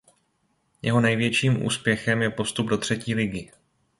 Jeho největším úspěchem je postup do třetí ligy.